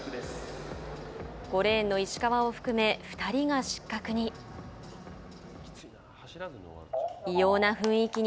５レーンの石川を含め２人が失格に。